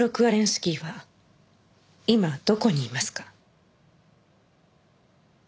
スキーは今どこにいますか？